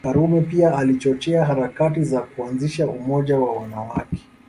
Karume pia alichochea harakati za kuanzisha umoja wa wanawake